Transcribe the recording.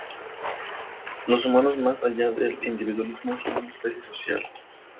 Los humanos, más allá del individualismo, son una especie social.